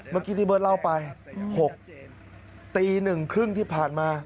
เมื่อกี้ที่เบิร์ตเล่าไป๖ตี๑๓๐ที่ผ่านมา